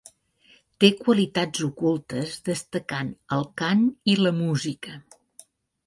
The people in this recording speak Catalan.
Té qualitats ocultes destacant el cant i la música.